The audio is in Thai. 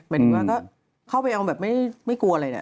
หมายถึงว่าก็เข้าไปเอาแบบไม่กลัวอะไรเนี่ย